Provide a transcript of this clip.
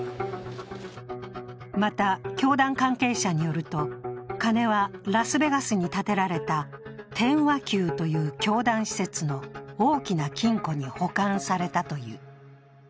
また、教団関係者によると金はラスベガスに建てられた天和宮という教団施設の大きな金庫に保管されたという。